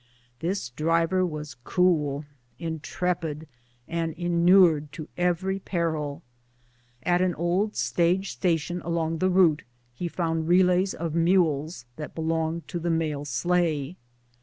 This driver was cool, intrepid, and inured to every peril. At an old stage station along the route he found relays of mules that belonged to the mail sleigh.